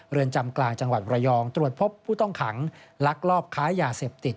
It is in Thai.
เรือนจำกลางจังหวัดระยองตรวจพบผู้ต้องขังลักลอบค้ายาเสพติด